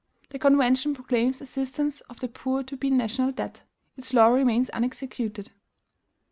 "The Convention proclaims assistance of the poor to be a NATIONAL DEBT. Its law remains unexecuted.